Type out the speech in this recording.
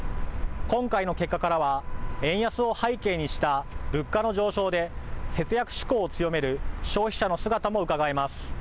今回の結果からは円安を背景にした物価の上昇で節約志向を強める消費者の姿もうかがえます。